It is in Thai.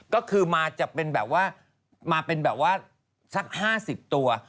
ก็คือมาจะเป็นแบบว่ามาเป็นแบบว่าสัก๕๐ตัว